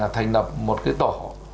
thành lập một tổ